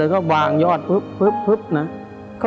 แล้วก็วางยอดนะ